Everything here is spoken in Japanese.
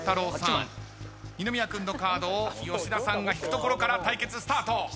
二宮君のカードを吉田さんが引くところから対決スタート。